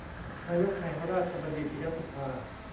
นายกแห่งราชบัณฑิตยสภา